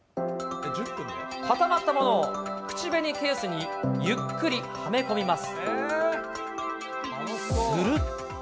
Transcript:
固まったものを口紅ケースにゆっくりはめ込みます。